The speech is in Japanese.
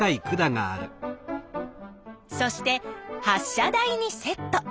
そして発しゃ台にセット。